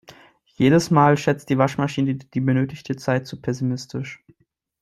Jedes Mal schätzt die Waschmaschine die benötigte Zeit zu pessimistisch.